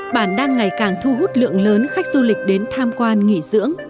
bản đang ngày càng thu hút lượng lớn khách du lịch đến tham quan nghỉ dưỡng